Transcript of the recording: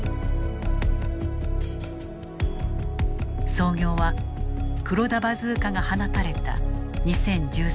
創業は黒田バズーカが放たれた２０１３年。